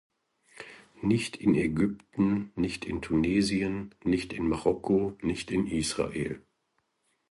Nicht in Ägypten, nicht in Tunesien, nicht in Marokko, nicht in Israel.